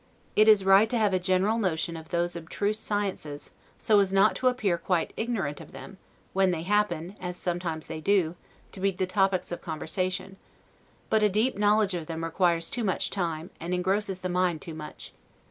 It is right to have a general notion of those abstruse sciences, so as not to appear quite ignorant of them, when they happen, as sometimes they do, to be the topics of conversation; but a deep knowledge of them requires too much time, and engrosses the mind too much.